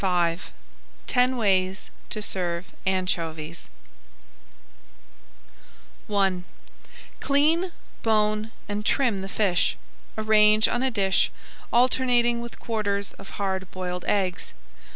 [Page 41] TEN WAYS TO SERVE ANCHOVIES I Clean, bone, and trim the fish. Arrange on a dish, alternating with quarters of hard boiled eggs.